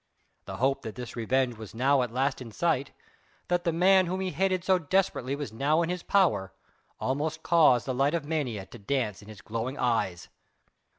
The hope that this revenge was now at last in sight that the man whom he hated so desperately was now in his power almost caused the light of mania to dance in his glowing eyes.